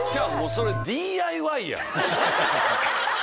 それＤＩＹやん。